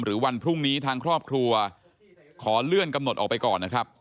วันพรุ่งนี้ทางครอบครัวขอเลื่อนกำหนดออกไปก่อนนะครับ